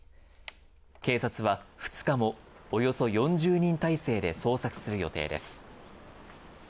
警察は２日も、およそ４０人態勢で、捜索する予定です。